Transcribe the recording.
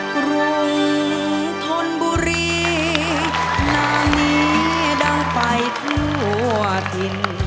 กรุงธนบุรีนานี้ดังไปทั่วถิ่น